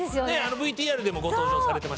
ＶＴＲでもご登場されてました。